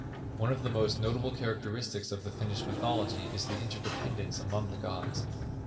One of the most notable characteristics of the Finnish mythology is the interdependence among the gods.